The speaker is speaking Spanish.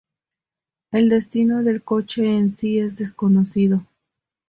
El destino del coche en sí es desconocido.